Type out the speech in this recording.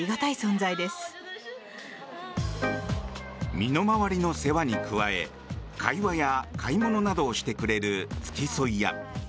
身の回りの世話に加え会話や買い物などをしてくれる付き添い屋。